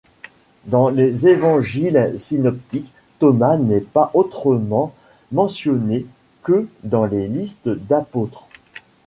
Dans les évangiles synoptiques, Thomas n'est pas autrement mentionné que dans les listes d'apôtres.